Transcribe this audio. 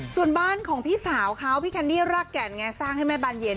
ส่วนบ้านของพี่สาวเขาพี่แคนดี้รากแก่นไงสร้างให้แม่บานเย็น